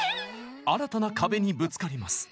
新たな壁にぶつかります。